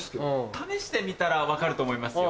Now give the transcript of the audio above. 試してみたら分かると思いますよ。